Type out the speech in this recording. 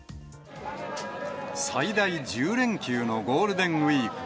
最大１０連休のゴールデンウィーク。